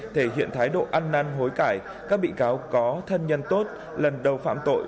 thể hiện thái độ ăn năn hối cải các bị cáo có thân nhân tốt lần đầu phạm tội